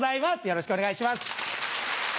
よろしくお願いします。